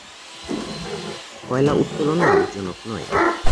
কয়লা উত্তোলন লাভজনক নয়